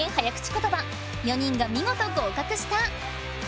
ことば４人が見事合格した。